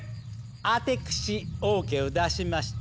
アテクシＯＫを出しました。